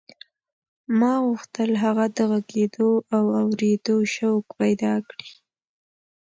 ما غوښتل هغه د غږېدو او اورېدو شوق پیدا کړي